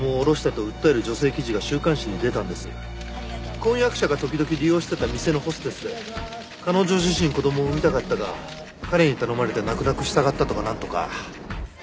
婚約者が時々利用していた店のホステスで彼女自身子供を産みたかったが彼に頼まれて泣く泣く従ったとかなんとか。